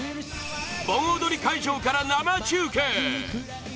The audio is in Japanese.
盆踊り会場から生中継！